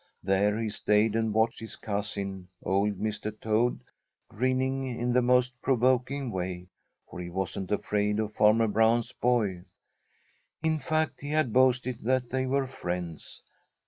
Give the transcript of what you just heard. There he stayed and watched his cousin, old Mr. Toad, grinning in the most provoking way, for he wasn't afraid of Farmer Brown's boy. In fact, he had boasted that they were friends.